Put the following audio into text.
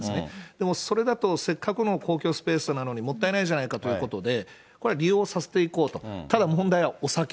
でもそれだとせっかくの公共スペースなのに、もったいないじゃないかということで、これは利用させていこうと、ただ問題はお酒。